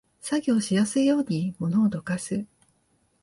作業しやすいように物をどかす